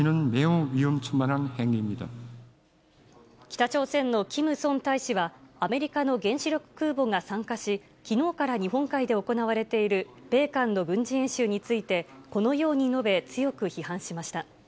北朝鮮のキム・ソン大使は、アメリカの原子力空母が参加し、きのうから日本海で行われている米韓の軍事演習についてこのように述べ、強く批判しました。